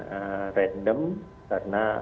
jadi saya pikir ini adalah strategi yang harus diperhatikan